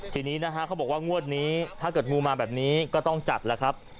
ทีนี้นะฮะเขาบอกว่างวดนี้ถ้าเกิดงูมาแบบนี้ก็ต้องจัดแล้วครับ